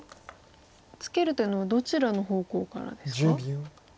ツケるというのはどちらの方向からですか？